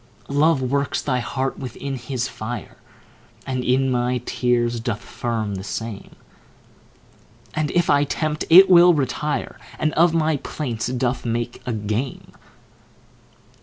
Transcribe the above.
Love works thy heart within his fire, And in my tears doth firm the same; And if I tempt, it will retire, And of my plaints doth make a game.